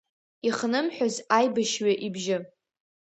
Ихнымҳәыз аибашьҩы ибжьы…